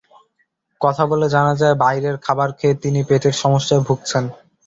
কথা বলে জানা যায়, বাইরের খাবার খেয়ে তিনি পেটের সমস্যায় ভুগছেন।